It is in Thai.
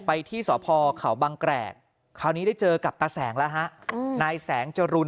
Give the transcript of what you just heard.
ไปที่สพเขาบังแกรกคราวนี้ได้เจอกับตาแสงแล้วฮะนายแสงจรุล